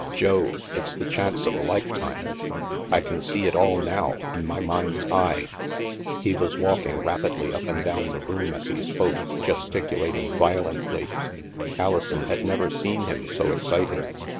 Jove, it's the chance of a lifetime. I can see it all now, in my mind's eye." He was walking rapidly up and down the room THE MAELSTROM 249 as he spoke, gesticulating violently. 'Alison had never seen him so excited.